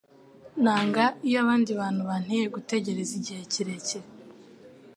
Nanga iyo abandi bantu banteye gutegereza igihe kirekire.